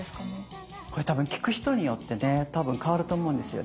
これ多分聞く人によってね多分変わると思うんですよね。